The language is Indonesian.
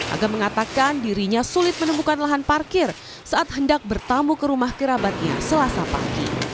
aga mengatakan dirinya sulit menemukan lahan parkir saat hendak bertamu ke rumah kerabatnya selasa pagi